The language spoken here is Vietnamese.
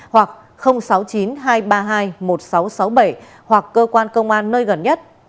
hoặc sáu mươi chín hai trăm ba mươi hai một nghìn sáu trăm sáu mươi bảy hoặc cơ quan công an nơi gần nhất